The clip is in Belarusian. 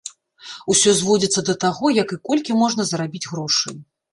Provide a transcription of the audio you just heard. Усё зводзіцца да таго, як і колькі можна зарабіць грошай.